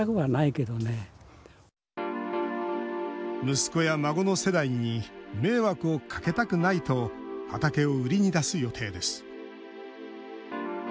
息子や孫の世代に迷惑をかけたくないと畑を売りに出す予定です。